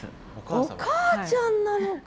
お母ちゃんなのか。